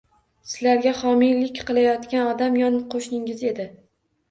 Sizlarga homiylik qilayotgan odam yon qoʻshningiz edi.